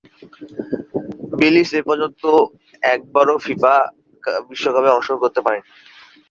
Belize এপর্যন্ত একবারও FIFA বিশ্বকাপে অংশগ্রহণ করতে পারেনি।